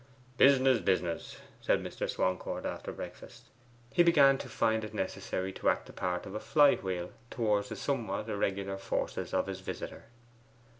'Business, business!' said Mr. Swancourt after breakfast. He began to find it necessary to act the part of a fly wheel towards the somewhat irregular forces of his visitor.